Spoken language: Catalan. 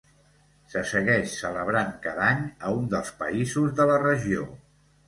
Se segueix celebrant cada any a un dels països de la regió.